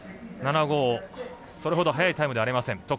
それほど速いタイムではありません。